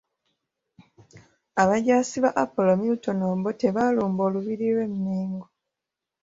Abajaasi ba Apollo Milton Obote baalumba Olubiri lw’e Mmengo.